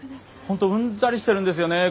本当うんざりしてるんですよねぇ